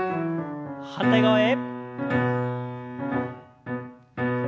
反対側へ。